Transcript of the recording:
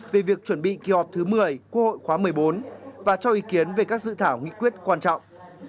về việc chuẩn bị kỳ họp thứ một mươi quốc hội khóa một mươi bốn và cho ý kiến về các dự thảo nghị quyết quan trọng